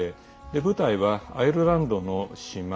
舞台はアイルランドの島。